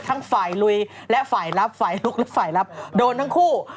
ทั้งฝ่ายลุยและฝ่ายลับฝ่ายลุกและฝ่ายลับโดนทั้งคู่